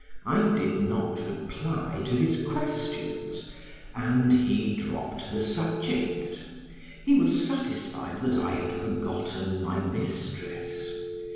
I did not reply to his questions and he dropped the subject; he was satisfied that I had forgotten my mistress.